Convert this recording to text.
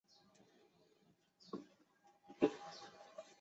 很怕像橡皮筋一样